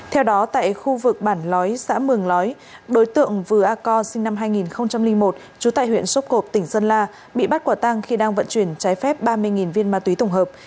theo đó tại khu vực bản lói xã mường lói đối tượng vừa a co sinh năm hai nghìn một trú tại huyện sốp cộp tỉnh sơn la bị bắt quả tang khi đang vận chuyển trái phép ba mươi viên ma túy tổng hợp